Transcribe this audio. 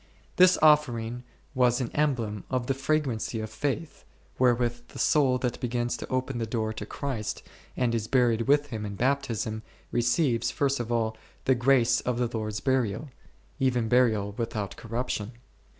His offering was an emblem of the fragrancy of faith, wherewith the soul that begins to open the door to Christ and is buried with Him in Baptism, receives, first of all, the grace of the Lord's burial; even burial without corruption.